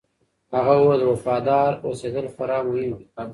هغه وویل، وفادار اوسېدل خورا مهم دي.